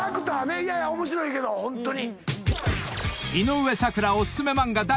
いやいや面白いけどホントに。